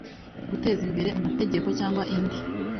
Guteza imbere amategeko, cyangwa indi